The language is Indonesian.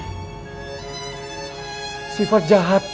hai sifat jahat dan kasar mau hampir